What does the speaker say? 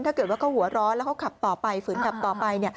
ถ้าเกิดว่าเขาหัวร้อนแล้วเขาขับต่อไปฝืนขับต่อไป